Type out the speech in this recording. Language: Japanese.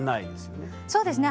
そうですね